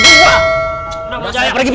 nyau nyau akhirnya tadinya kamu bicara